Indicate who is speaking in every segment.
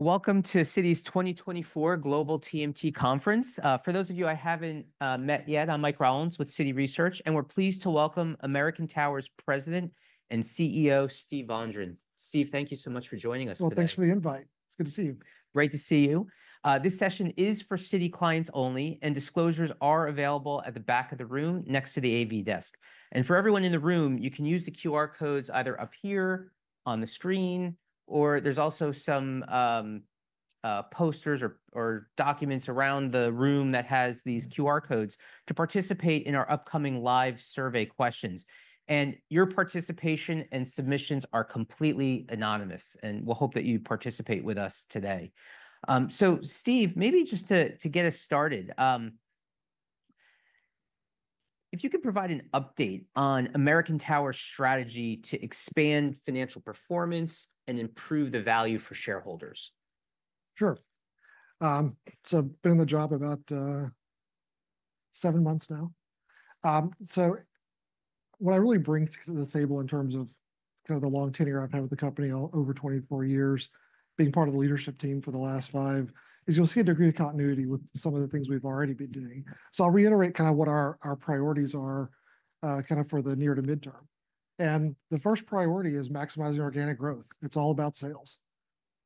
Speaker 1: Welcome to Citi's 2024 Global TMT Conference. For those of you I haven't met yet, I'm Mike Rollins with Citi Research, and we're pleased to welcome American Tower's President and CEO, Steve Vondran. Steve, thank you so much for joining us today.
Speaker 2: Thanks for the invite. It's good to see you.
Speaker 1: Great to see you. This session is for Citi clients only, and disclosures are available at the back of the room, next to the AV desk. For everyone in the room, you can use the QR codes either up here on the screen, or there's also some posters or documents around the room that has these QR codes to participate in our upcoming live survey questions. Your participation and submissions are completely anonymous, and we'll hope that you participate with us today. So Steve, maybe just to get us started, if you could provide an update on American Tower's strategy to expand financial performance and improve the value for shareholders.
Speaker 2: Sure. So been in the job about seven months now. So what I really bring to the table in terms of kind of the long tenure I've had with the company, oh, over 24 years, being part of the leadership team for the last five, is you'll see a degree of continuity with some of the things we've already been doing. So I'll reiterate kind of what our priorities are, kind of for the near to mid-term. And the first priority is maximizing organic growth. It's all about sales.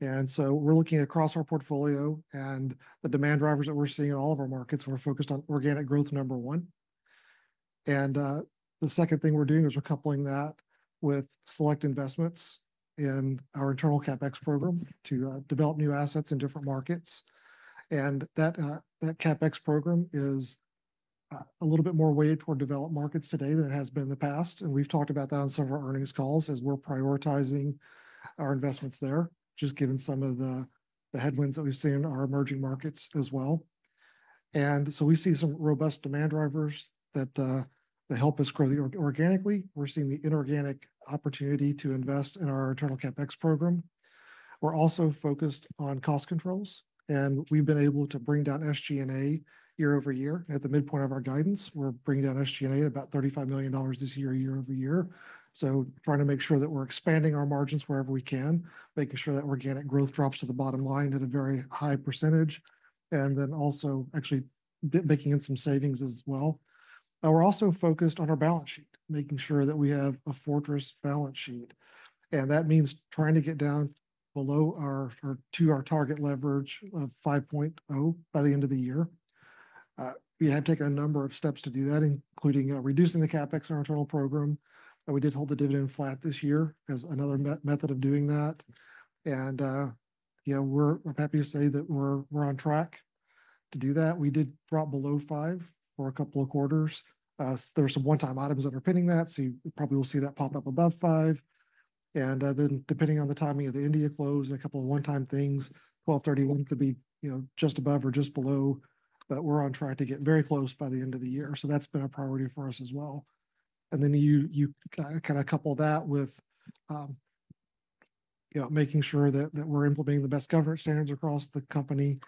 Speaker 2: And so we're looking across our portfolio, and the demand drivers that we're seeing in all of our markets, we're focused on organic growth, number one. And the second thing we're doing is we're coupling that with select investments in our internal CapEx program to develop new assets in different markets. And that that CapEx program is a little bit more weighted toward developed markets today than it has been in the past, and we've talked about that on some of our earnings calls as we're prioritizing our investments there, just given some of the the headwinds that we've seen in our emerging markets as well. And so we see some robust demand drivers that that help us grow organically. We're seeing the inorganic opportunity to invest in our internal CapEx program. We're also focused on cost controls, and we've been able to bring down SG&A year over year. At the midpoint of our guidance, we're bringing down SG&A about $35 million this year, year over year. Trying to make sure that we're expanding our margins wherever we can, making sure that organic growth drops to the bottom line at a very high percentage, and then also actually driving some savings as well. We're also focused on our balance sheet, making sure that we have a fortress balance sheet, and that means trying to get down below our to our target leverage of five point oh by the end of the year. We have taken a number of steps to do that, including reducing the CapEx in our internal program, and we did hold the dividend flat this year as another method of doing that. And, you know, we're happy to say that we're on track to do that. We did drop below five for a couple of quarters. So there were some one-time items underpinning that, so you probably will see that pop up above five, and then depending on the timing of the India close and a couple of one-time things, twelve thirty-one could be, you know, just above or just below, but we're on track to get very close by the end of the year. That's been a priority for us as well. Then couple that with you know, making sure that we're implementing the best governance standards across the company.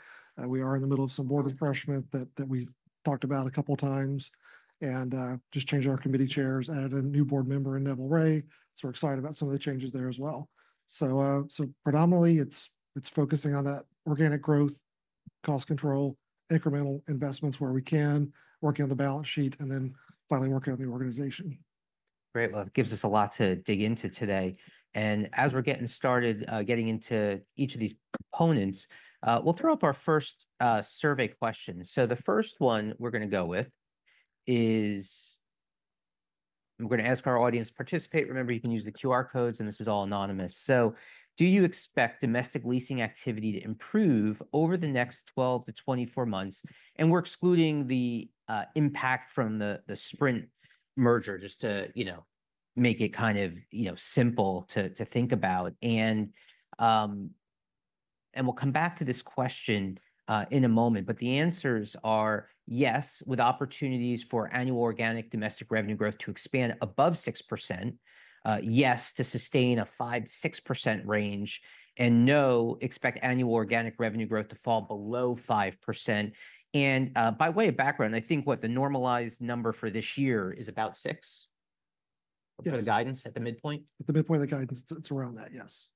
Speaker 2: We are in the middle of some board refreshment that we've talked about a couple of times and just changed our committee chairs, added a new board member in Neville Ray, so we're excited about some of the changes there as well. Predominantly, it's focusing on that organic growth, cost control, incremental investments where we can, working on the balance sheet, and then finally working on the organization.
Speaker 1: Great. Well, it gives us a lot to dig into today. And as we're getting started, getting into each of these components, we'll throw up our first, survey question. So the first one we're gonna go with is... we're gonna ask our audience to participate. Remember, you can use the QR codes, and this is all anonymous. So do you expect domestic leasing activity to improve over the next 12-24 months? And we're excluding the impact from the Sprint merger, just to, you know, make it kind of, you know, simple to think about. And we'll come back to this question in a moment, but the answers are: yes, with opportunities for annual organic domestic revenue growth to expand above 6%, yes, to sustain a 5%-6% range, and no, expect annual organic revenue growth to fall below 5%. And, by way of background, I think what the normalized number for this year is about 6-
Speaker 2: Yes
Speaker 1: for the guidance at the midpoint?
Speaker 2: At the midpoint of the guidance, it's around that, yes.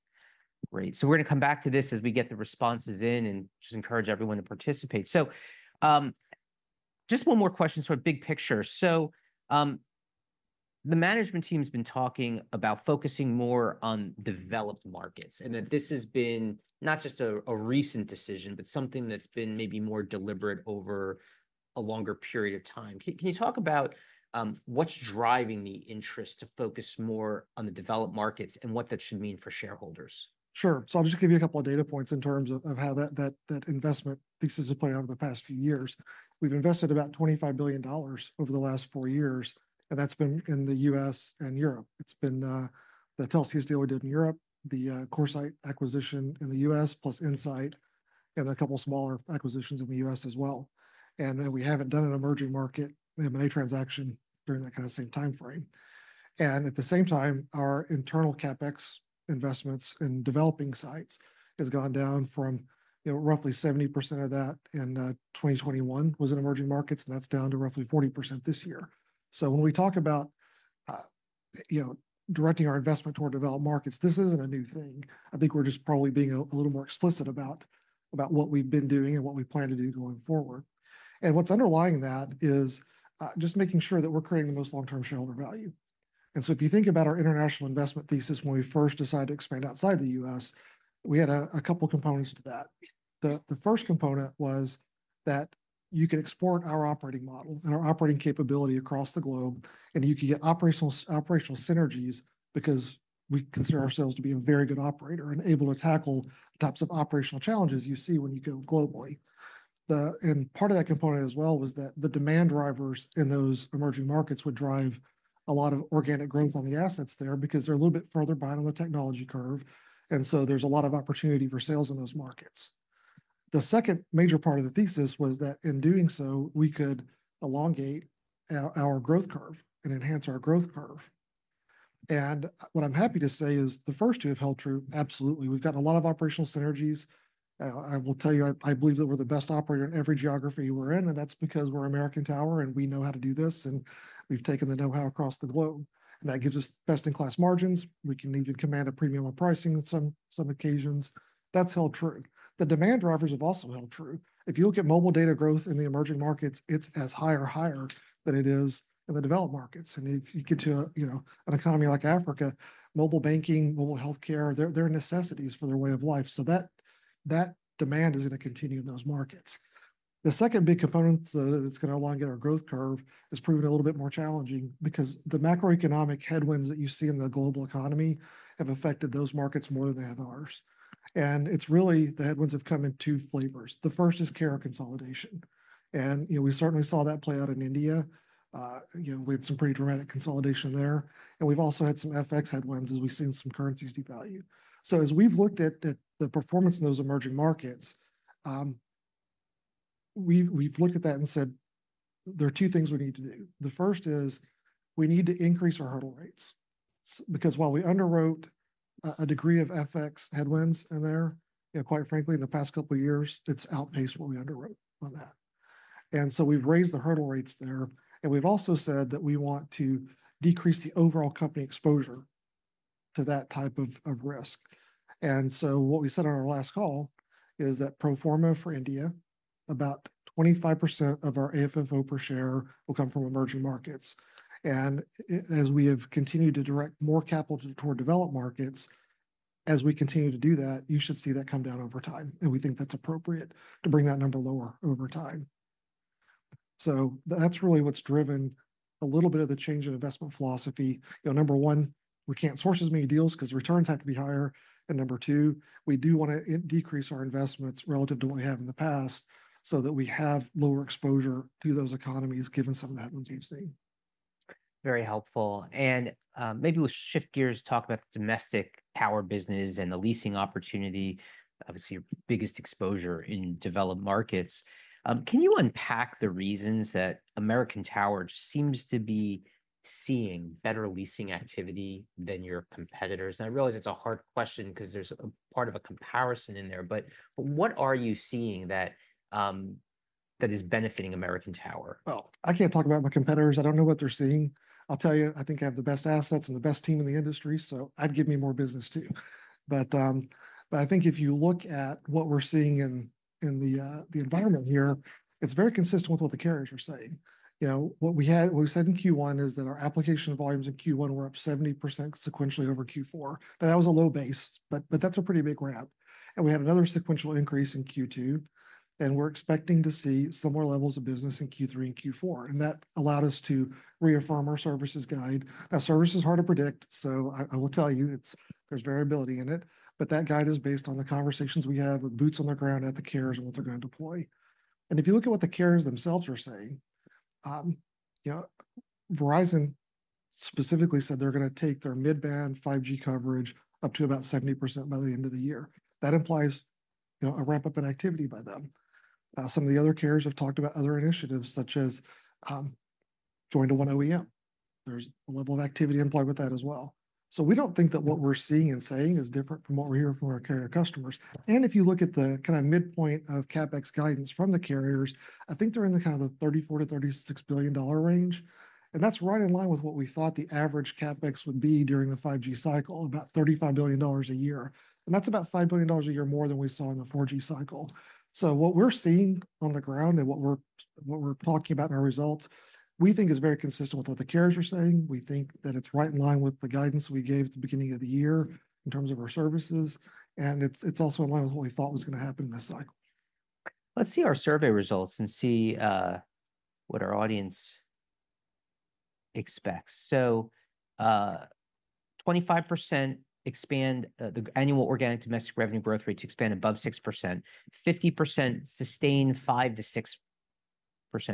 Speaker 1: Great. So we're gonna come back to this as we get the responses in, and just encourage everyone to participate. So, just one more question, sort of big picture. So, the management team's been talking about focusing more on developed markets, and that this has been not just a recent decision, but something that's been maybe more deliberate over a longer period of time. Can you talk about what's driving the interest to focus more on the developed markets and what that should mean for shareholders?
Speaker 2: Sure. So I'll just give you a couple of data points in terms of how that investment thesis has played out over the past few years. We've invested about $25 billion over the last four years, and that's been in the U.S. and Europe. It's been the Telxius deal we did in Europe, the CoreSite acquisition in the U.S., plus InSite and a couple smaller acquisitions in the U.S. as well. And then we haven't done an emerging market M&A transaction during that kind of same timeframe. And at the same time, our internal CapEx investments in developing sites has gone down from, you know, roughly 70% of that in 2021 was in emerging markets, and that's down to roughly 40% this year. So when we talk about... You know, directing our investment toward developed markets, this isn't a new thing. I think we're just probably being a little more explicit about what we've been doing and what we plan to do going forward. And what's underlying that is just making sure that we're creating the most long-term shareholder value. And so if you think about our international investment thesis when we first decided to expand outside the U.S., we had a couple components to that. The first component was that you could export our operating model and our operating capability across the globe, and you could get operational synergies because we consider ourselves to be a very good operator and able to tackle the types of operational challenges you see when you go globally. And part of that component as well was that the demand drivers in those emerging markets would drive a lot of organic growth on the assets there because they're a little bit further behind on the technology curve, and so there's a lot of opportunity for sales in those markets. The second major part of the thesis was that, in doing so, we could elongate our growth curve and enhance our growth curve. And what I'm happy to say is the first two have held true, absolutely. We've gotten a lot of operational synergies. I will tell you, I believe that we're the best operator in every geography we're in, and that's because we're American Tower, and we know how to do this, and we've taken the know-how across the globe, and that gives us best-in-class margins. We can even command a premium on pricing in some occasions. That's held true. The demand drivers have also held true. If you look at mobile data growth in the emerging markets, it's as high or higher than it is in the developed markets, and if you get to, you know, an economy like Africa: mobile banking, mobile healthcare, they're necessities for their way of life, so that demand is gonna continue in those markets. The second big component that's gonna elongate our growth curve has proven a little bit more challenging because the macroeconomic headwinds that you see in the global economy have affected those markets more than they have ours, and it's really the headwinds have come in two flavors. The first is carrier consolidation, and you know, we certainly saw that play out in India. You know, we had some pretty dramatic consolidation there, and we've also had some FX headwinds as we've seen some currencies devalue. So as we've looked at the performance in those emerging markets, we've looked at that and said, "There are two things we need to do." The first is, we need to increase our hurdle rates because while we underwrote a degree of FX headwinds in there, you know, quite frankly, in the past couple of years, it's outpaced what we underwrote on that. And so we've raised the hurdle rates there, and we've also said that we want to decrease the overall company exposure to that type of risk. And so what we said on our last call is that pro forma for India, about 25% of our AFFO per share will come from emerging markets. And as we have continued to direct more capital toward developed markets, as we continue to do that, you should see that come down over time, and we think that's appropriate to bring that number lower over time. So that's really what's driven a little bit of the change in investment philosophy. You know, number one, we can't source as many deals 'cause returns have to be higher, and number two, we do wanna decrease our investments relative to what we have in the past so that we have lower exposure to those economies, given some of the headwinds we've seen.
Speaker 1: Very helpful. And, maybe we'll shift gears, talk about the domestic tower business and the leasing opportunity, obviously your biggest exposure in developed markets. Can you unpack the reasons that American Tower just seems to be seeing better leasing activity than your competitors? And I realize it's a hard question because there's a part of a comparison in there, but what are you seeing that is benefiting American Tower?
Speaker 2: I can't talk about my competitors. I don't know what they're seeing. I'll tell you, I think I have the best assets and the best team in the industry, so I'd give me more business too. But I think if you look at what we're seeing in the environment here, it's very consistent with what the carriers are saying. You know, what we said in Q1 is that our application volumes in Q1 were up 70% sequentially over Q4. Now, that was a low base, but that's a pretty big ramp, and we had another sequential increase in Q2, and we're expecting to see similar levels of business in Q3 and Q4, and that allowed us to reaffirm our services guide. Now, service is hard to predict, so I will tell you, it's there's variability in it, but that guide is based on the conversations we have with boots on the ground at the carriers and what they're gonna deploy. And if you look at what the carriers themselves are saying, you know, Verizon specifically said they're gonna take their mid-band 5G coverage up to about 70% by the end of the year. That implies, you know, a ramp-up in activity by them. Some of the other carriers have talked about other initiatives, such as, joining to one OEM. There's a level of activity employed with that as well. So we don't think that what we're seeing and saying is different from what we're hearing from our carrier customers. And if you look at the kind of midpoint of CapEx guidance from the carriers, I think they're in the kind of $ 34 billion-$36 billion range, and that's right in line with what we thought the average CapEx would be during the 5G cycle, about $35 billion a year, and that's about $5 billion a year more than we saw in the 4G cycle. So what we're seeing on the ground and what we're talking about in our results, we think is very consistent with what the carriers are saying. We think that it's right in line with the guidance we gave at the beginning of the year in terms of our services, and it's also in line with what we thought was gonna happen in this cycle.
Speaker 1: Let's see our survey results and see what our audience expects. So, 25% expand the annual organic domestic revenue growth rate to expand above 6%. 50% sustain 5%-6%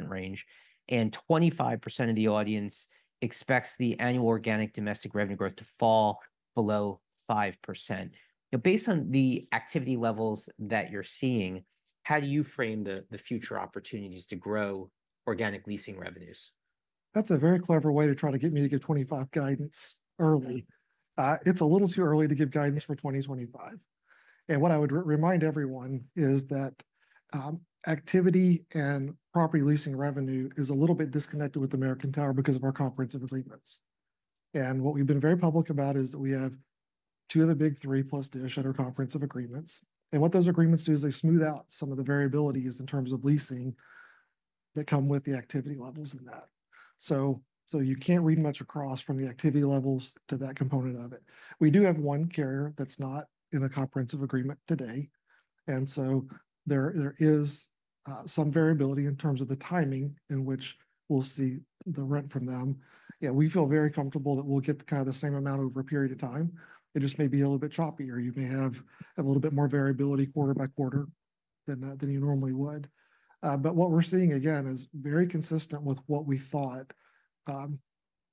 Speaker 1: range, and 25% of the audience expects the annual organic domestic revenue growth to fall below 5%. Now, based on the activity levels that you're seeing, how do you frame the future opportunities to grow organic leasing revenues?
Speaker 2: That's a very clever way to try to get me to give 2025 guidance early. It's a little too early to give guidance for 2025, and what I would remind everyone is that activity and property leasing revenue is a little bit disconnected with American Tower because of our comprehensive agreements. And what we've been very public about is that we have two of the big three, plus Dish, at our comprehensive agreements. And what those agreements do is they smooth out some of the variabilities in terms of leasing that come with the activity levels in that. So you can't read much across from the activity levels to that component of it. We do have one carrier that's not in a comprehensive agreement today, and so there is some variability in terms of the timing in which we'll see the rent from them. Yeah, we feel very comfortable that we'll get kind of the same amount over a period of time. It just may be a little bit choppier. You may have a little bit more variability quarter by quarter than you normally would. But what we're seeing, again, is very consistent with what we thought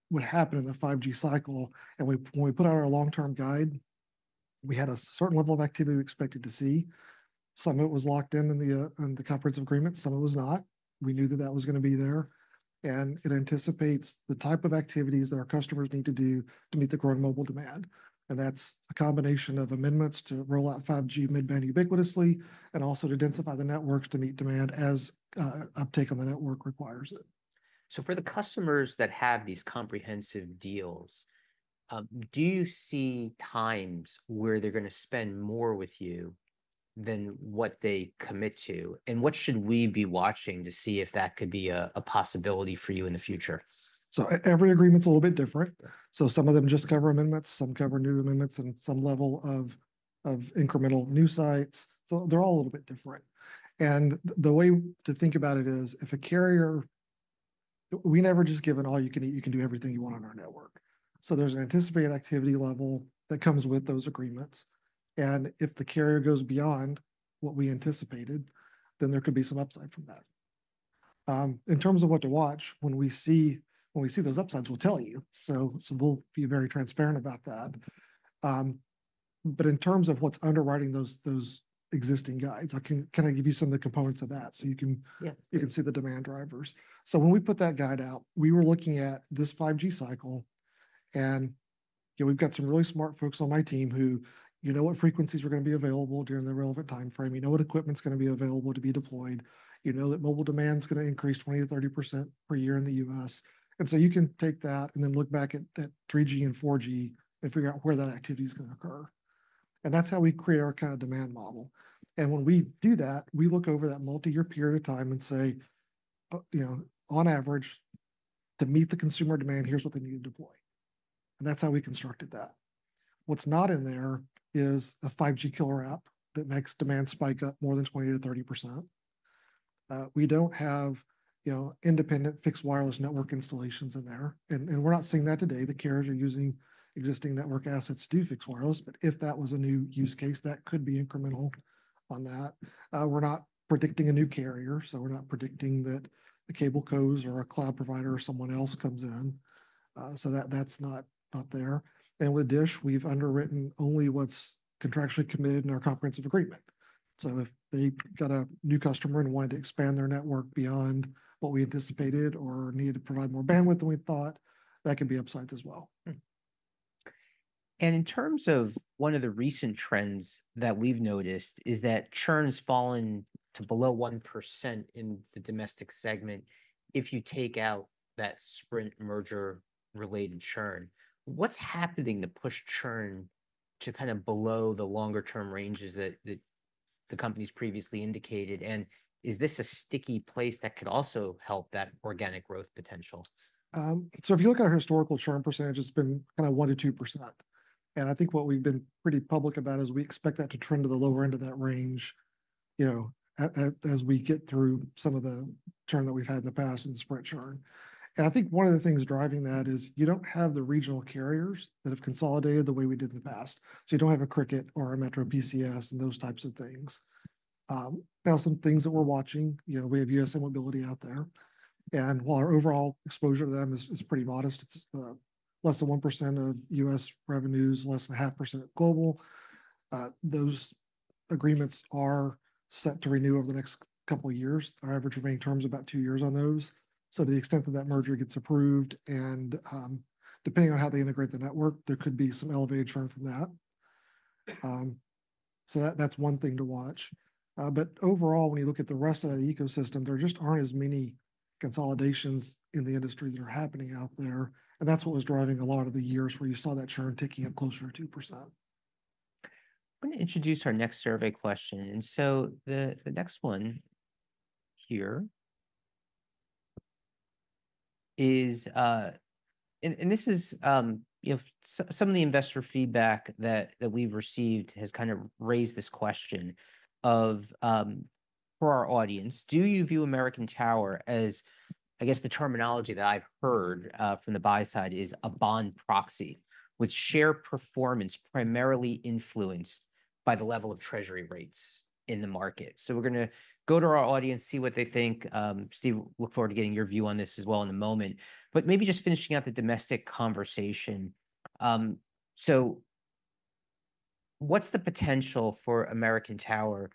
Speaker 2: would happen in the 5G cycle. And when we put out our long-term guide, we had a certain level of activity we expected to see. Some of it was locked in, in the comprehensive agreement, some of it was not. We knew that that was gonna be there. It anticipates the type of activities that our customers need to do to meet the growing mobile demand, and that's a combination of amendments to roll out 5G mid-band ubiquitously, and also to densify the networks to meet demand as uptake on the network requires it.
Speaker 1: So for the customers that have these comprehensive deals, do you see times where they're gonna spend more with you than what they commit to? And what should we be watching to see if that could be a possibility for you in the future?
Speaker 2: So every agreement's a little bit different. So some of them just cover amendments, some cover new amendments, and some level of incremental new sites. So they're all a little bit different. And the way to think about it is, if a carrier... we never just give an all you can eat, you can do everything you want on our network. So there's an anticipated activity level that comes with those agreements, and if the carrier goes beyond what we anticipated, then there could be some upside from that. In terms of what to watch, when we see those upsides, we'll tell you, so we'll be very transparent about that. But in terms of what's underwriting those existing guides, can I give you some of the components of that, so you can-
Speaker 1: Yeah...
Speaker 2: you can see the demand drivers. So when we put that guide out, we were looking at this 5G cycle, and, you know, we've got some really smart folks on my team who you know what frequencies are gonna be available during the relevant time frame, you know what equipment's gonna be available to be deployed. You know that mobile demand's gonna increase 20%-30% per year in the U.S. And so you can take that and then look back at 3G and 4G and figure out where that activity's gonna occur, and that's how we create our kind of demand model. And when we do that, we look over that multi-year period of time and say, "you know, on average, to meet the consumer demand, here's what they need to deploy," and that's how we constructed that. What's not in there is a 5G killer app that makes demand spike up more than 20%-30%. We don't have, you know, independent fixed wireless network installations in there, and we're not seeing that today. The carriers are using existing network assets to do fixed wireless, but if that was a new use case, that could be incremental on that. We're not predicting a new carrier, so we're not predicting that the cable cos or a cloud provider or someone else comes in. So that's not there. And with Dish, we've underwritten only what's contractually committed in our comprehensive agreement. So if they got a new customer and wanted to expand their network beyond what we anticipated or needed to provide more bandwidth than we thought, that can be upsides as well.
Speaker 1: And in terms of one of the recent trends that we've noticed is that churn's fallen to below 1% in the domestic segment if you take out that Sprint merger-related churn. What's happening to push churn to kind of below the longer term ranges that the company's previously indicated, and is this a sticky place that could also help that organic growth potential?
Speaker 2: So if you look at our historical churn percentage, it's been kind of 1%-2%, and I think what we've been pretty public about is we expect that to trend to the lower end of that range, you know, as we get through some of the churn that we've had in the past and the Sprint churn. And I think one of the things driving that is, you don't have the regional carriers that have consolidated the way we did in the past. So you don't have a Cricket or a MetroPCS and those types of things. Now, some things that we're watching, you know, we have U.S. Cellular out there, and while our overall exposure to them is pretty modest, it's less than 1% of U.S. revenues, less than 0.5% of global. Those agreements are set to renew over the next couple of years. Our average remaining term's about two years on those. So to the extent that that merger gets approved, and, depending on how they integrate the network, there could be some elevated churn from that. So that's one thing to watch. But overall, when you look at the rest of that ecosystem, there just aren't as many consolidations in the industry that are happening out there, and that's what was driving a lot of the years where you saw that churn ticking up closer to 2%.
Speaker 1: I'm gonna introduce our next survey question, and so the next one here is. And this is, you know, some of the investor feedback that we've received has kind of raised this question, of, for our audience: Do you view American Tower as, I guess, the terminology that I've heard, from the buy side, is a bond proxy, with share performance primarily influenced by the level of Treasury rates in the market? So we're gonna go to our audience, see what they think. Steve, look forward to getting your view on this as well in a moment. But maybe just finishing up the domestic conversation, so what's the potential for American Tower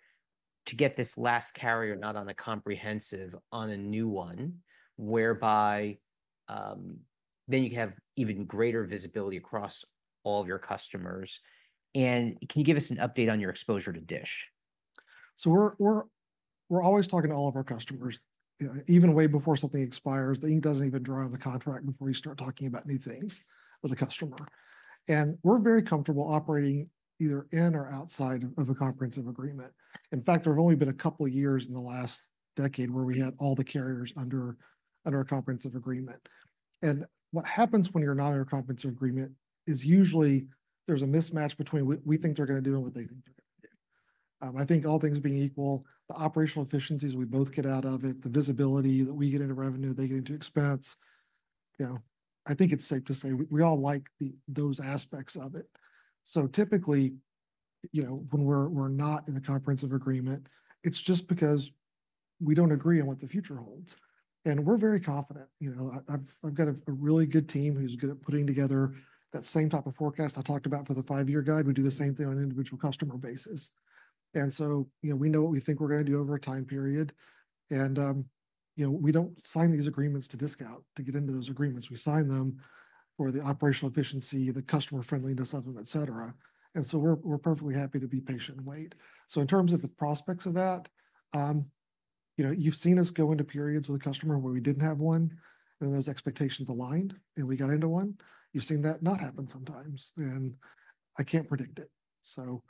Speaker 1: to get this last carrier not on the comprehensive on a new one, whereby..., then you have even greater visibility across all of your customers. Can you give us an update on your exposure to DISH?
Speaker 2: So we're always talking to all of our customers, even way before something expires. The ink doesn't even dry on the contract before we start talking about new things with a customer. And we're very comfortable operating either in or outside of a comprehensive agreement. In fact, there have only been a couple of years in the last decade where we had all the carriers under a comprehensive agreement. And what happens when you're not in a comprehensive agreement is usually there's a mismatch between what we think they're gonna do and what they think they're gonna do. I think all things being equal, the operational efficiencies we both get out of it, the visibility that we get into revenue, they get into expense, you know, I think it's safe to say we all like those aspects of it. So typically, you know, when we're not in a comprehensive agreement, it's just because we don't agree on what the future holds. And we're very confident. You know, I've got a really good team who's good at putting together that same type of forecast I talked about for the five-year guide. We do the same thing on an individual customer basis. And so, you know, we know what we think we're gonna do over a time period, and, you know, we don't sign these agreements to discount, to get into those agreements. We sign them for the operational efficiency, the customer friendliness of them, et cetera. And so we're perfectly happy to be patient and wait. So in terms of the prospects of that, you know, you've seen us go into periods with a customer where we didn't have one, and those expectations aligned, and we got into one. You've seen that not happen sometimes, and I can't predict it, so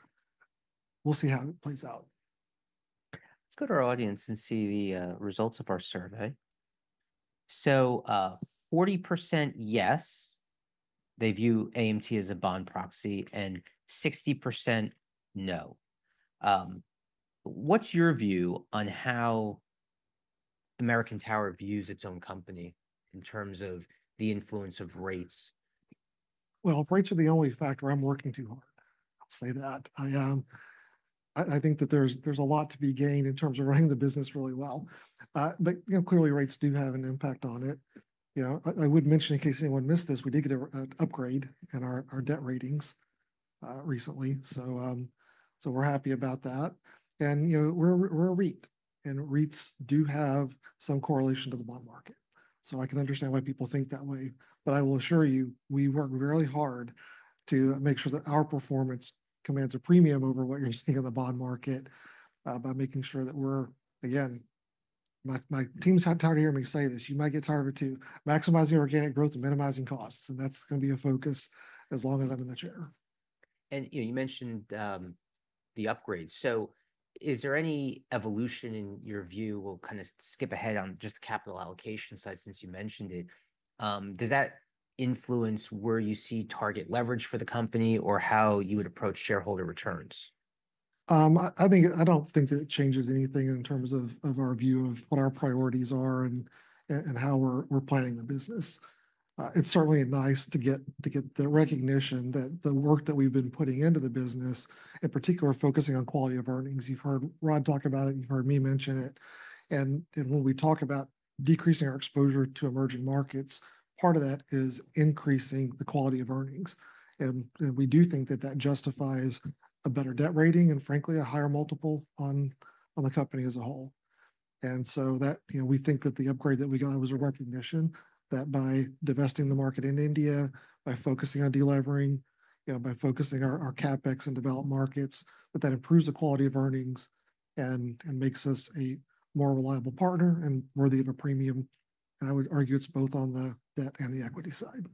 Speaker 2: we'll see how it plays out.
Speaker 1: Let's go to our audience and see the results of our survey. So, 40% yes, they view AMT as a bond proxy, and 60% no. What's your view on how American Tower views its own company in terms of the influence of rates?
Speaker 2: Well, if rates are the only factor, I'm working too hard. I'll say that. I think that there's a lot to be gained in terms of running the business really well. But you know, clearly, rates do have an impact on it. You know, I would mention, in case anyone missed this, we did get an upgrade in our debt ratings recently, so we're happy about that. And you know, we're a REIT, and REITs do have some correlation to the bond market, so I can understand why people think that way. But I will assure you, we work really hard to make sure that our performance commands a premium over what you're seeing in the bond market by making sure that we're... Again, my team's tired of hearing me say this, you might get tired of it too: Maximizing organic growth and minimizing costs, and that's gonna be a focus as long as I'm in the chair.
Speaker 1: And, you know, you mentioned the upgrade. So is there any evolution in your view. We'll kind of skip ahead on just the capital allocation side, since you mentioned it. Does that influence where you see target leverage for the company or how you would approach shareholder returns?
Speaker 2: I think, I don't think that it changes anything in terms of our view of what our priorities are and how we're planning the business. It's certainly nice to get the recognition that the work that we've been putting into the business, in particular, focusing on quality of earnings. You've heard Rod talk about it, you've heard me mention it, and when we talk about decreasing our exposure to emerging markets, part of that is increasing the quality of earnings, and we do think that that justifies a better debt rating and, frankly, a higher multiple on the company as a whole. So that, you know, we think that the upgrade that we got was a recognition that by divesting the market in India, by focusing on delevering, you know, by focusing our CapEx in developed markets, that improves the quality of earnings and makes us a more reliable partner and worthy of a premium. I would argue it's both on the debt and the equity side.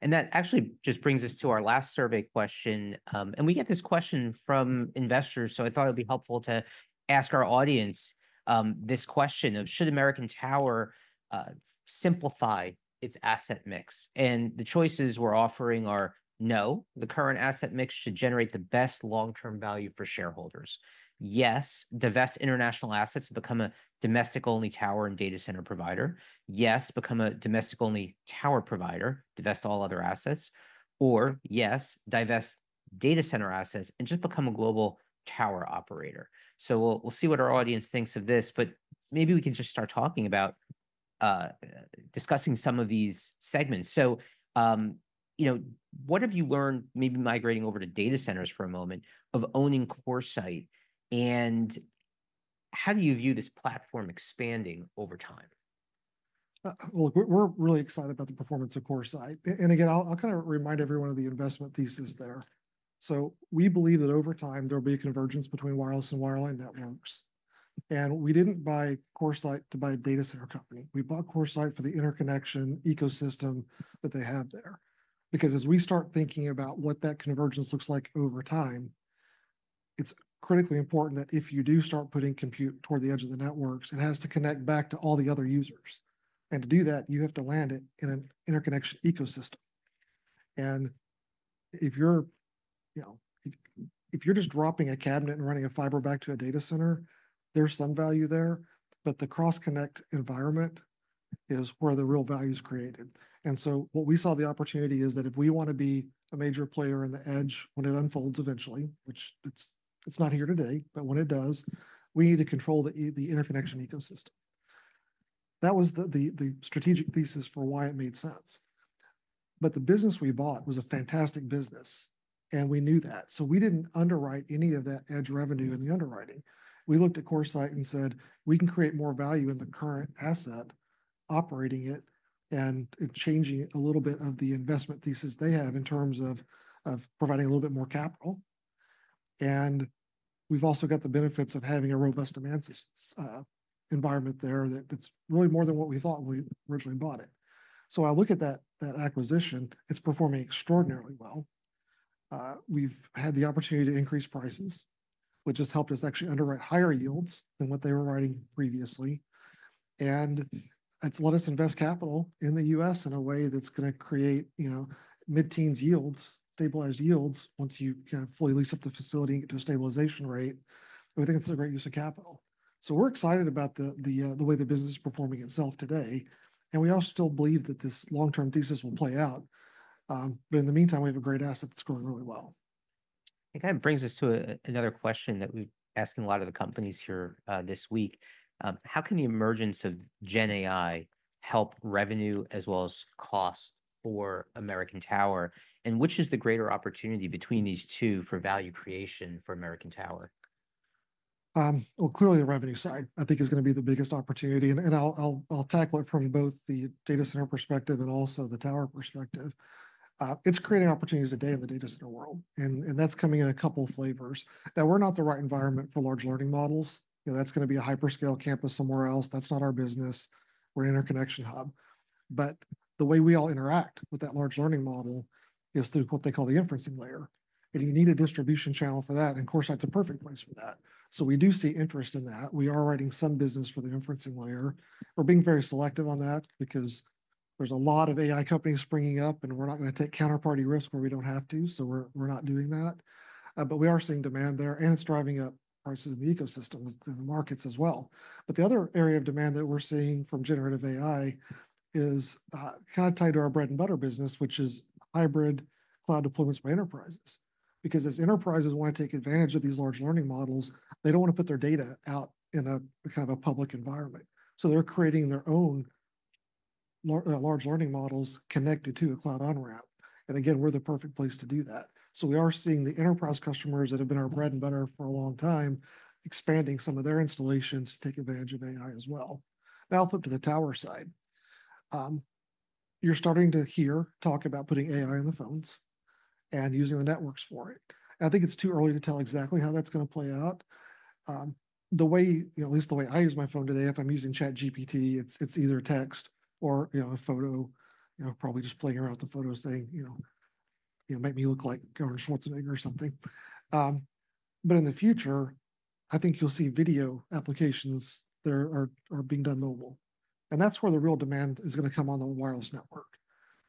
Speaker 1: Right. And that actually just brings us to our last survey question. And we get this question from investors, so I thought it'd be helpful to ask our audience this question of: Should American Tower simplify its asset mix? And the choices we're offering are: No, the current asset mix should generate the best long-term value for shareholders. Yes, divest international assets and become a domestic-only tower and data center provider. Yes, become a domestic-only tower provider, divest all other assets. Or Yes, divest data center assets and just become a global tower operator. So we'll see what our audience thinks of this, but maybe we can just start talking about discussing some of these segments. You know, what have you learned, maybe migrating over to data centers for a moment, of owning CoreSite, and how do you view this platform expanding over time?
Speaker 2: Well, look, we're really excited about the performance of CoreSite. And again, I'll kind of remind everyone of the investment thesis there. So we believe that over time, there will be a convergence between wireless and wireline networks. And we didn't buy CoreSite to buy a data center company. We bought CoreSite for the interconnection ecosystem that they have there. Because as we start thinking about what that convergence looks like over time, it's critically important that if you do start putting compute toward the edge of the networks, it has to connect back to all the other users. And to do that, you have to land it in an interconnection ecosystem. And if you're, you know, if you're just dropping a cabinet and running a fiber back to a data center, there's some value there, but the cross-connect environment is where the real value is created. And so what we saw the opportunity is that if we want to be a major player in the edge when it unfolds eventually, which it's not here today, but when it does, we need to control the interconnection ecosystem. That was the strategic thesis for why it made sense, but the business we bought was a fantastic business, and we knew that. So we didn't underwrite any of that edge revenue in the underwriting. We looked at CoreSite and said, "We can create more value in the current asset operating it," and changing a little bit of the investment thesis they have in terms of providing a little bit more capital. We've also got the benefits of having a robust demand ecosystem there that's really more than what we thought when we originally bought it. I look at that acquisition. It's performing extraordinarily well. We've had the opportunity to increase prices, which has helped us actually underwrite higher yields than what they were writing previously. It's let us invest capital in the US in a way that's gonna create, you know, mid-teens yields, stabilized yields, once you kind of fully lease up the facility and get to a stabilization rate. We think it's a great use of capital. So we're excited about the way the business is performing itself today, and we also still believe that this long-term thesis will play out. But in the meantime, we have a great asset that's growing really well.
Speaker 1: It kind of brings us to another question that we've asking a lot of the companies here this week. How can the emergence of GenAI help revenue as well as cost for American Tower? And which is the greater opportunity between these two for value creation for American Tower? Clearly, the revenue side, I think is gonna be the biggest opportunity, and I'll tackle it from both the data center perspective and also the tower perspective. It's creating opportunities today in the data center world, and that's coming in a couple of flavors. Now, we're not the right environment for large language models. You know, that's gonna be a hyperscale campus somewhere else. That's not our business. We're an interconnection hub. But the way we all interact with that large language model is through what they call the inferencing layer, and you need a distribution channel for that, and, of course, that's a perfect place for that. So we do see interest in that. We are writing some business for the inferencing layer. We're being very selective on that because there's a lot of AI companies springing up, and we're not gonna take counterparty risk where we don't have to, so we're not doing that. But we are seeing demand there, and it's driving up prices in the ecosystem in the markets as well. But the other area of demand that we're seeing from generative AI is kind of tied to our bread-and-butter business, which is hybrid cloud deployments by enterprises. Because as enterprises wanna take advantage of these large language models, they don't wanna put their data out in a kind of a public environment. So they're creating their own large language models connected to a cloud on-ramp. And again, we're the perfect place to do that. So we are seeing the enterprise customers that have been our bread and butter for a long time, expanding some of their installations to take advantage of AI as well. Now, I'll flip to the tower side. You're starting to hear talk about putting AI on the phones and using the networks for it. I think it's too early to tell exactly how that's gonna play out. The way, you know, at least the way I use my phone today, if I'm using ChatGPT, it's either text or, you know, a photo. You know, probably just playing around with the photo saying, you know, "Make me look like Governor Schwarzenegger," or something. But in the future, I think you'll see video applications that are being done mobile, and that's where the real demand is gonna come on the wireless network.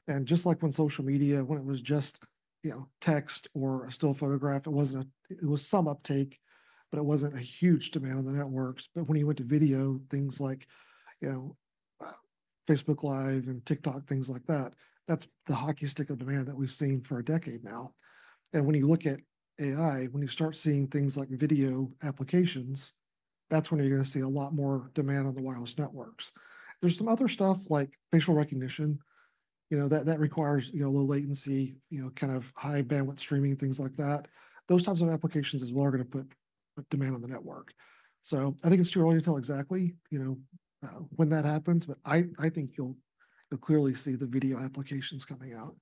Speaker 1: And just like when social media, when it was just, you know, text or a still photograph, it wasn't a. It was some uptake, but it wasn't a huge demand on the networks. But when you went to video, things like, you know, Facebook Live and TikTok, things like that, that's the hockey stick of demand that we've seen for a decade now. And when you look at AI, when you start seeing things like video applications, that's when you're gonna see a lot more demand on the wireless networks. There's some other stuff like facial recognition, you know, that requires, you know, low latency, you know, kind of high bandwidth streaming and things like that. Those types of applications as well are gonna put demand on the network. So I think it's too early to tell exactly, you know, when that happens, but I think you'll clearly see the video applications coming out.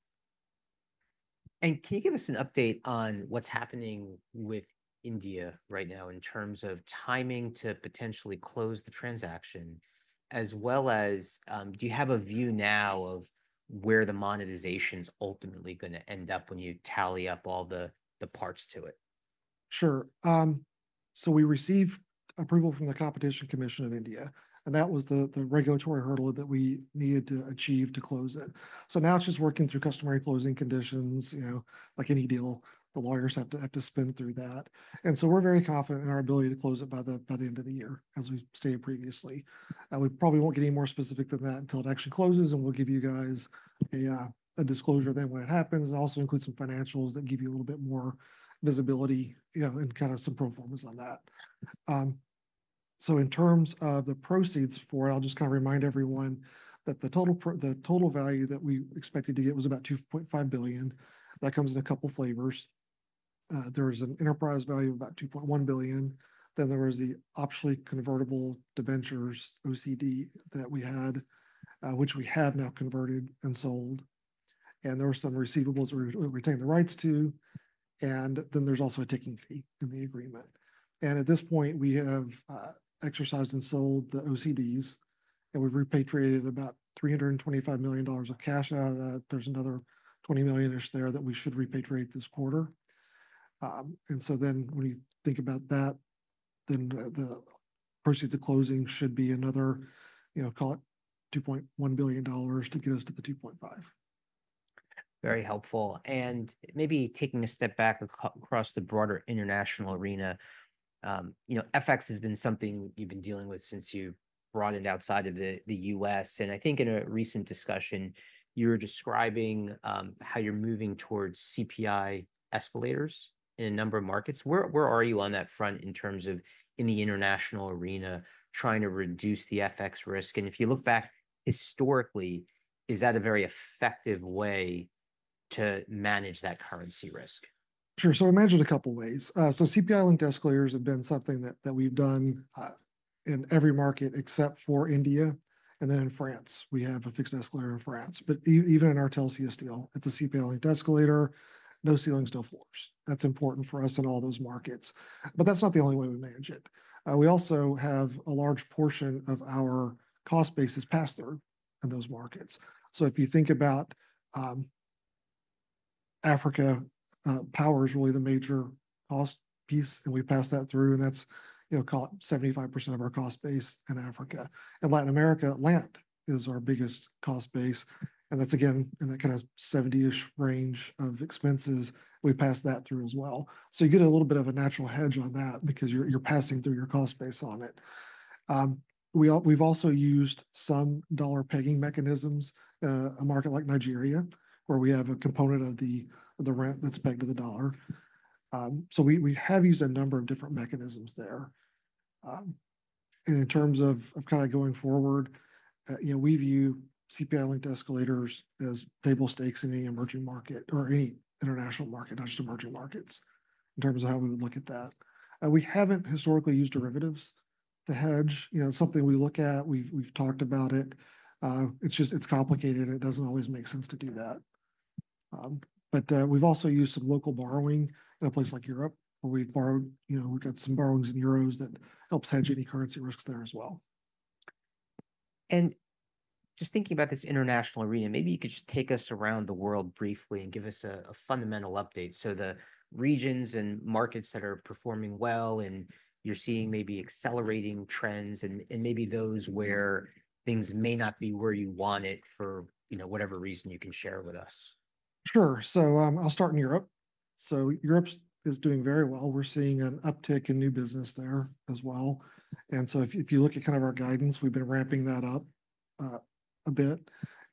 Speaker 1: Can you give us an update on what's happening with India right now in terms of timing to potentially close the transaction, as well as, do you have a view now of where the monetization's ultimately gonna end up when you tally up all the parts to it?
Speaker 2: Sure. So we received approval from the Competition Commission in India, and that was the regulatory hurdle that we needed to achieve to close it. So now it's just working through customary closing conditions. You know, like any deal, the lawyers have to spin through that. And so we're very confident in our ability to close it by the end of the year, as we've stated previously. And we probably won't get any more specific than that until it actually closes, and we'll give you guys a disclosure then when it happens, and also include some financials that give you a little bit more visibility, you know, and kind of some pro formas on that. So in terms of the proceeds for it, I'll just kind of remind everyone that the total value that we expected to get was about $2.5 billion. That comes in a couple of flavors. There was an enterprise value of about $2.1 billion, then there was the optionally convertible debentures, OCD, that we had, which we have now converted and sold, and there were some receivables we're retaining the rights to, and then there's also a ticking fee in the agreement. At this point, we have exercised and sold the OCDs, and we've repatriated about $325 million of cash out of that. There's another $20 million-ish there that we should repatriate this quarter. When you think about that, then the proceeds of closing should be another, you know, call it $2.1 billion to get us to the $2.5 billion.
Speaker 1: Very helpful. And maybe taking a step back across the broader international arena, you know, FX has been something you've been dealing with since you broadened outside of the U.S. And I think in a recent discussion, you were describing how you're moving towards CPI escalators in a number of markets. Where are you on that front in terms of the international arena, trying to reduce the FX risk? And if you look back historically, is that a very effective way to manage that currency risk?
Speaker 2: Sure. So we manage it a couple ways. So CPI-linked escalators have been something that we've done in every market except for India, and then in France. We have a fixed escalator in France. But even in our Telxius deal, it's a CPI-linked escalator, no ceilings, no floors. That's important for us in all those markets. But that's not the only way we manage it. We also have a large portion of our cost base is pass-through in those markets. So if you think about Africa, power is really the major cost piece, and we pass that through, and that's, you know, 75% of our cost base in Africa. In Latin America, land is our biggest cost base, and that's again, in the kind of seventy-ish range of expenses, we pass that through as well. So you get a little bit of a natural hedge on that because you're passing through your cost base on it. We have also used some dollar pegging mechanisms, a market like Nigeria, where we have a component of the rent that's pegged to the dollar. So we have used a number of different mechanisms there. And in terms of kind of going forward, you know, we view CPI-linked escalators as table stakes in any emerging market or any international market, not just emerging markets, in terms of how we would look at that. We haven't historically used derivatives to hedge. You know, it's something we look at. We've talked about it. It's just complicated, and it doesn't always make sense to do that. But, we've also used some local borrowing in a place like Europe, where we've borrowed. You know, we've got some borrowings in euros that helps hedge any currency risks there as well.
Speaker 1: And just thinking about this international arena, maybe you could just take us around the world briefly and give us a fundamental update. So the regions and markets that are performing well, and you're seeing maybe accelerating trends and maybe those where things may not be where you want it for, you know, whatever reason you can share with us.
Speaker 2: Sure, so I'll start in Europe. Europe's doing very well. We're seeing an uptick in new business there as well. If you look at kind of our guidance, we've been ramping that up a bit,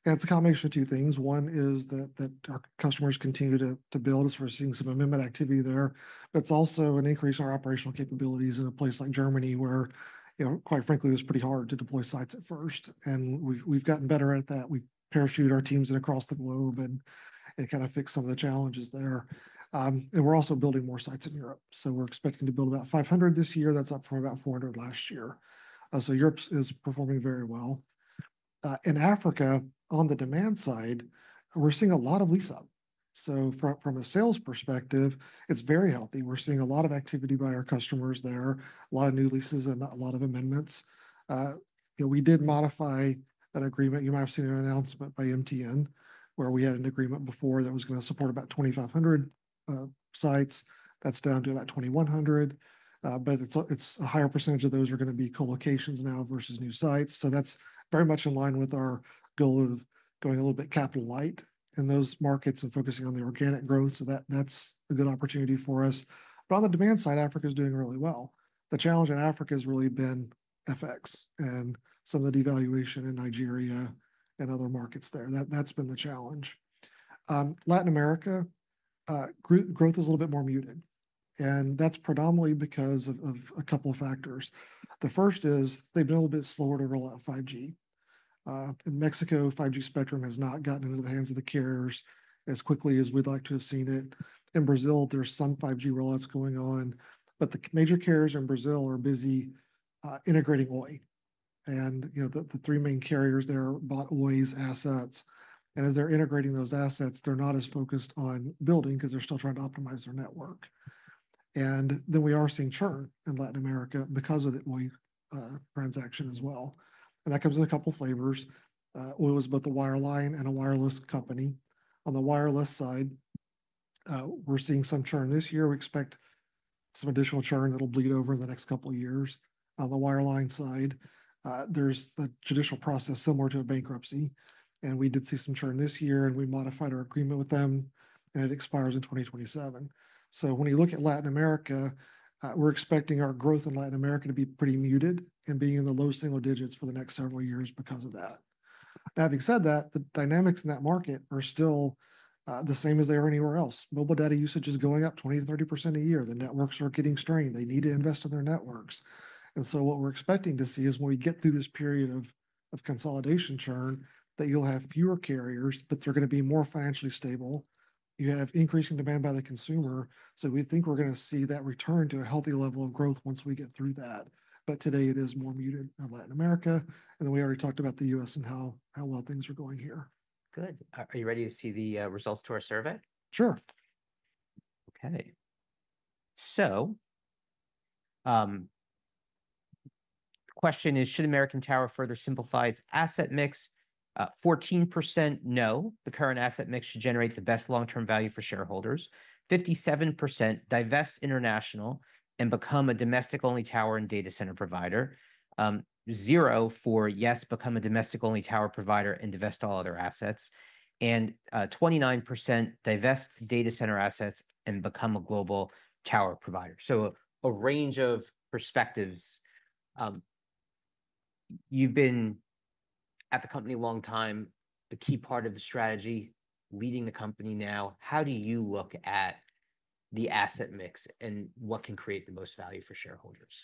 Speaker 2: and it's a combination of two things. One is that our customers continue to build, as we're seeing some amendment activity there, but it's also an increase in our operational capabilities in a place like Germany, where you know, quite frankly, it was pretty hard to deploy sites at first, and we've gotten better at that. We've parachuted our teams in across the globe, and it kind of fixed some of the challenges there, and we're also building more sites in Europe, so we're expecting to build about 500 this year. That's up from about 400 last year. Europe's is performing very well. In Africa, on the demand side, we're seeing a lot of lease up. So from a sales perspective, it's very healthy. We're seeing a lot of activity by our customers there, a lot of new leases and a lot of amendments. You know, we did modify an agreement. You might have seen an announcement by MTN, where we had an agreement before that was gonna support about 2,500 sites. That's down to about 2,100, but it's a higher percentage of those are gonna be co-locations now versus new sites. So that's very much in line with our goal of going a little bit capital light in those markets and focusing on the organic growth, so that's a good opportunity for us, but on the demand side, Africa is doing really well. The challenge in Africa has really been FX and some of the devaluation in Nigeria and other markets there. That's been the challenge. Latin America, growth is a little bit more muted, and that's predominantly because of a couple factors. The first is they've been a little bit slower to roll out 5G. In Mexico, 5G spectrum has not gotten into the hands of the carriers as quickly as we'd like to have seen it. In Brazil, there's some 5G rollouts going on, but the major carriers in Brazil are busy integrating Oi. And, you know, the three main carriers there bought Oi's assets, and as they're integrating those assets, they're not as focused on building, 'cause they're still trying to optimize their network. And then we are seeing churn in Latin America because of the Oi transaction as well, and that comes in a couple of flavors. Oi was both a wireline and a wireless company. On the wireless side, we're seeing some churn this year. We expect some additional churn that'll bleed over the next couple of years. On the wireline side, there's a judicial process similar to a bankruptcy, and we did see some churn this year, and we modified our agreement with them, and it expires in 2027. So when you look at Latin America, we're expecting our growth in Latin America to be pretty muted and being in the low single digits for the next several years because of that. Now, having said that, the dynamics in that market are still the same as they are anywhere else. Mobile data usage is going up 20%-30% a year. The networks are getting strained. They need to invest in their networks. And so what we're expecting to see is when we get through this period of consolidation churn, that you'll have fewer carriers, but they're gonna be more financially stable. You have increasing demand by the consumer, so we think we're gonna see that return to a healthy level of growth once we get through that. But today it is more muted in Latin America, and then we already talked about the U.S. and how well things are going here.
Speaker 1: Good. Are you ready to see the results to our survey?
Speaker 2: Sure.
Speaker 1: Okay. So, the question is: Should American Tower further simplify its asset mix? 14% no, the current asset mix should generate the best long-term value for shareholders. 57%, divest international and become a domestic-only tower and data center provider. 0% for yes, become a domestic-only tower provider and divest all other assets. 29%, divest data center assets and become a global tower provider. So a range of perspectives. You've been at the company a long time, a key part of the strategy, leading the company now. How do you look at the asset mix and what can create the most value for shareholders?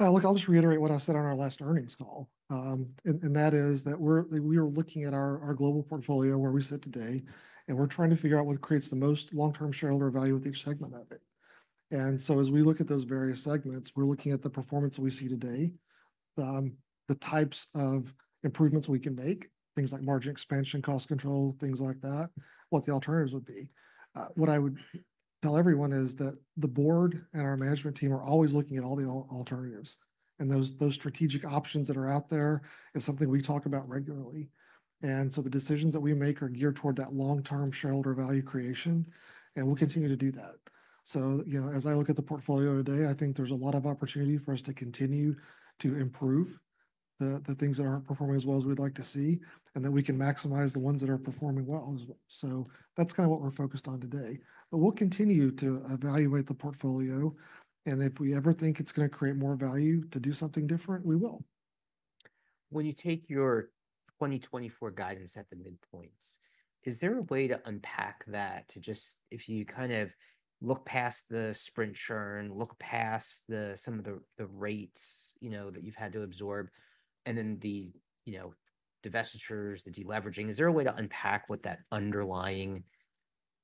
Speaker 2: Look, I'll just reiterate what I said on our last earnings call. And that is that we are looking at our global portfolio where we sit today, and we're trying to figure out what creates the most long-term shareholder value with each segment of it. And so, as we look at those various segments, we're looking at the performance that we see today, the types of improvements we can make, things like margin expansion, cost control, things like that, what the alternatives would be. What I would tell everyone is that the board and our management team are always looking at all the alternatives, and those strategic options that are out there is something we talk about regularly. And so, the decisions that we make are geared toward that long-term shareholder value creation, and we'll continue to do that. You know, as I look at the portfolio today, I think there's a lot of opportunity for us to continue to improve the things that aren't performing as well as we'd like to see, and then we can maximize the ones that are performing well as well. That's kinda what we're focused on today. We'll continue to evaluate the portfolio, and if we ever think it's gonna create more value to do something different, we will.
Speaker 1: When you take your 2024 guidance at the midpoints, is there a way to unpack that to just... If you kind of look past the Sprint churn, look past some of the rates, you know, that you've had to absorb, and then the, you know, divestitures, the deleveraging, is there a way to unpack what that underlying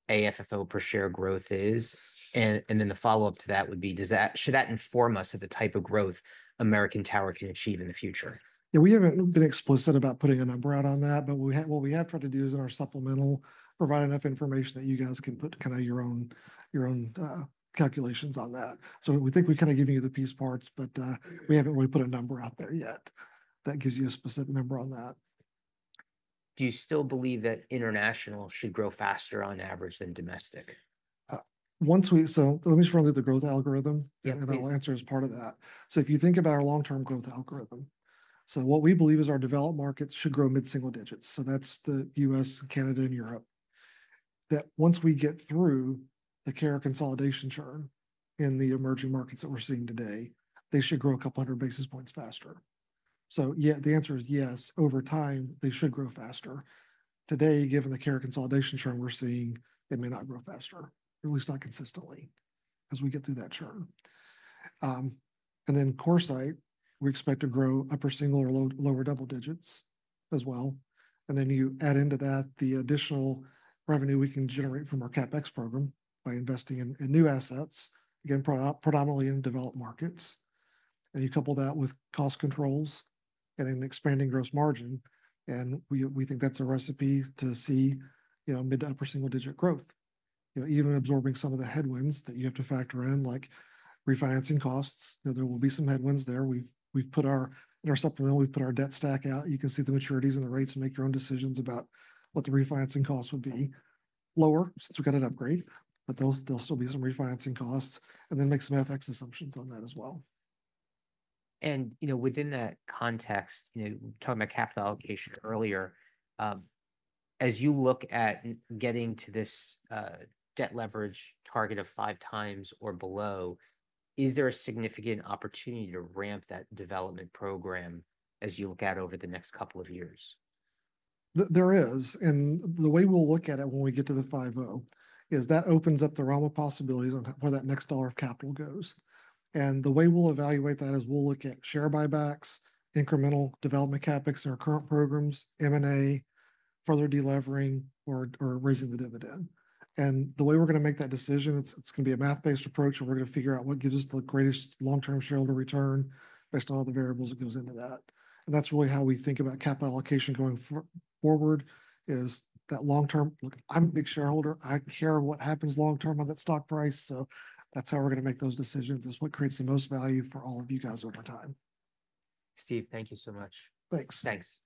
Speaker 1: AFFO per share growth is? And then the follow-up to that would be, does that- should that inform us of the type of growth American Tower can achieve in the future?
Speaker 2: Yeah, we haven't been explicit about putting a number out on that, but we have what we have tried to do is, in our supplemental, provide enough information that you guys can put kind of your own, your own, calculations on that. So we think we've kind of given you the piece parts, but we haven't really put a number out there yet that gives you a specific number on that.
Speaker 1: Do you still believe that international should grow faster on average than domestic?
Speaker 2: So let me just run through the growth algorithm-
Speaker 1: Yeah, please.
Speaker 2: And then I'll answer as part of that. So if you think about our long-term growth algorithm, so what we believe is our developed markets should grow mid-single digits, so that's the U.S., Canada, and Europe. That, once we get through the carrier consolidation churn in the emerging markets that we're seeing today, they should grow a couple hundred basis points faster. So yeah, the answer is yes. Over time, they should grow faster. Today, given the carrier consolidation churn we're seeing, they may not grow faster, or at least not consistently, as we get through that churn. And then CoreSite, we expect to grow upper single or low double digits as well. And then you add into that the additional revenue we can generate from our CapEx program by investing in new assets, again, predominantly in developed markets. You couple that with cost controls and an expanding gross margin, and we think that's a recipe to see, you know, mid to upper single-digit growth. You know, even absorbing some of the headwinds that you have to factor in, like refinancing costs, you know, there will be some headwinds there. In our supplemental, we've put our debt stack out. You can see the maturities and the rates and make your own decisions about what the refinancing costs would be. Lower, since we got an upgrade, but there'll still be some refinancing costs, and then make some FX assumptions on that as well.
Speaker 1: And, you know, within that context, you know, talking about capital allocation earlier, as you look at getting to this debt leverage target of five times or below, is there a significant opportunity to ramp that development program as you look out over the next couple of years?
Speaker 2: There is, and the way we'll look at it when we get to the 5.0, is that opens up the realm of possibilities on where that next dollar of capital goes. And the way we'll evaluate that is we'll look at share buybacks, incremental development CapEx in our current programs, M&A, further delevering, or raising the dividend. And the way we're gonna make that decision, it's gonna be a math-based approach, and we're gonna figure out what gives us the greatest long-term shareholder return based on all the variables that goes into that. And that's really how we think about capital allocation going forward, is that long-term. Look, I'm a big shareholder. I care what happens long term on that stock price, so that's how we're gonna make those decisions, is what creates the most value for all of you guys over time.
Speaker 1: Steve, thank you so much.
Speaker 2: Thanks.
Speaker 1: Thanks.